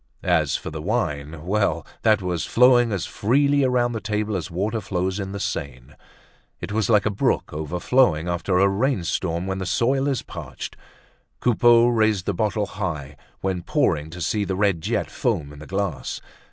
As for the wine, well, that was flowing as freely around the table as water flows in the Seine. It was like a brook overflowing after a rainstorm when the soil is parched. Coupeau raised the bottle high when pouring to see the red jet foam in the glass.